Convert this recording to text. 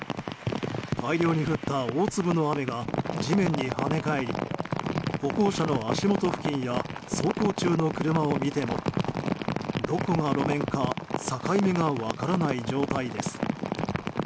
大量に降った大粒の雨が地面に跳ね返り歩行者の足元付近や走行中の車を見てもどこが路面か境目が分からない状態です。